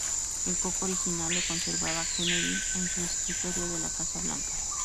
El coco original lo conservaba Kennedy en su escritorio de la Casa Blanca.